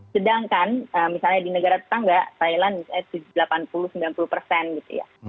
sedangkan misalnya di negara tetangga thailand delapan puluh sembilan puluh gitu ya